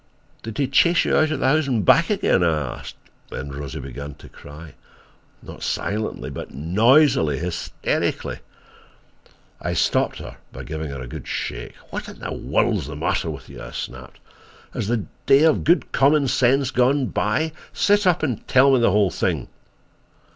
"Did he chase you out of the house and back again?" I asked. Then Rosie began to cry—not silently, but noisily, hysterically. I stopped her by giving her a good shake. "What in the world is the matter with you?" I snapped. "Has the day of good common sense gone by! Sit up and tell me the whole thing."